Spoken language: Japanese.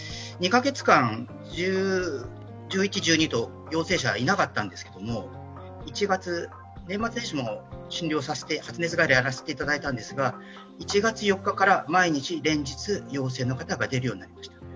２カ月間、１１、１２と陽性者、いなかったんですけども１月、年末年始も発熱外来をさせていただいたんですが１月４日から連日、陽性の方が出るようになりました。